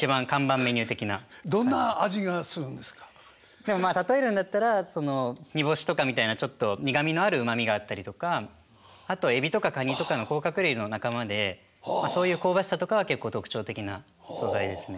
でもまあ例えるんだったらニボシとかみたいなちょっと苦みのあるうまみがあったりとかあとはエビとかカニとかの甲殻類の仲間でそういう香ばしさとかは結構特徴的な素材ですね。